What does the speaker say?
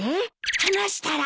話したら？